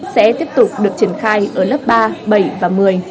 sẽ tiếp tục được triển khai ở lớp ba bảy và một mươi